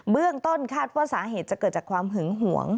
เบื้องต้นคาดว่าสาเหตุจะเกิดจากความหึงหวง